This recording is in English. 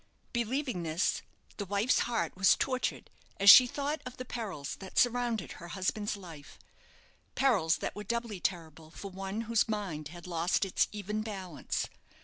Believing this, the wife's heart was tortured as she thought of the perils that surrounded her husband's life perils that were doubly terrible for one whose mind had lost its even balance.